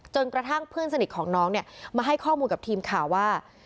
กระทั่งเพื่อนสนิทของน้องเนี่ยมาให้ข้อมูลกับทีมข่าวว่า